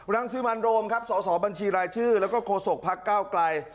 รังสิมันโรมครับสสบัญชีรายชื่อแล้วก็โฆษกพักก้าวไกล